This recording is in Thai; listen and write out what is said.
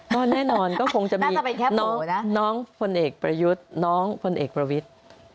ก็แน่นอนก็คงจะมีน้องพลเอกประยุทธ์น้องพลเอกประวิทธิ์